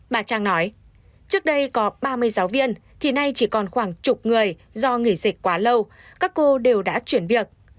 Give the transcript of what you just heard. bà trang nói trước đây có ba mươi giáo viên thì nay chỉ còn khoảng chục người do nghỉ dịch quá lâu các cô đều đã chuyển việc